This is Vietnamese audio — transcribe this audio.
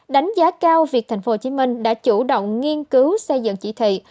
đánh giá cao việc thành phố hồ chí minh đã chủ động nghiên cứu xây dựng chỉ thị